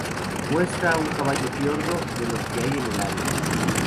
Muestra un caballo fiordo de los que hay en el área.